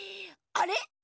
あれ？